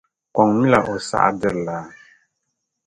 Kɔŋ mi la o saɣadiri laa.